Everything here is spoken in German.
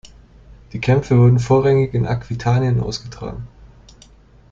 Die Kämpfe wurden vorrangig in Aquitanien ausgetragen.